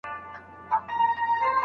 که بوټان وي نو پښه نه زخمي کیږي.